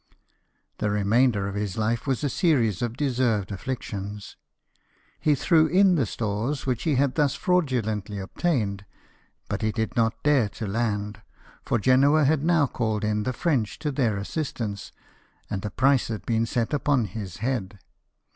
The remainder of his life was a series of deserved afflictions. He threw in the stores which he had thus fraudulently obtained ; but he did not dare to land, for Genoa had now called in the French to their assistance, and a price had been set upon his head.